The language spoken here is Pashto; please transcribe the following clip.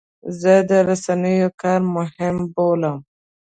زه د رسنیو کار مهم بولم.